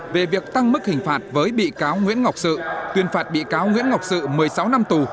về việc tăng mức hình phạt với bị cáo nguyễn ngọc sự tuyên phạt bị cáo nguyễn ngọc sự một mươi sáu năm tù